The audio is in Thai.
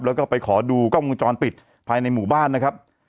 แล้วก็ไปขอดูกล้องวงจรปิดภายในหมู่บ้านนะครับ